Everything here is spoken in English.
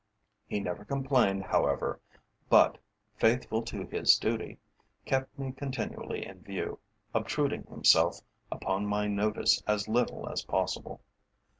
He never complained, however, but, faithful to his duty, kept me continually in view, obtruding himself upon my notice as little as possible.